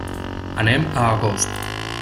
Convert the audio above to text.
Anem a Agost.